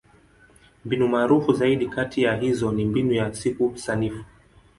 Mbinu maarufu zaidi kati ya hizo ni Mbinu ya Siku Sanifu.